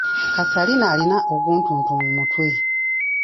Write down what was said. Kasalina alina oguntuntu mu mutwe.